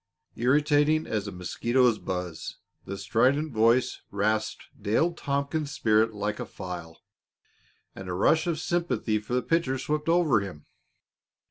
Irritating as a mosquito's buzz, the strident voice rasped Dale Tompkins's spirit like a file, and a rush of sympathy for the pitcher swept over him.